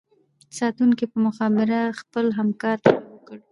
ساتونکي په مخابره خپل همکار ته غږ وکړو